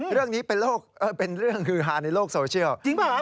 เรื่องนี้เป็นเรื่องฮือฮาในโลกโซเชียล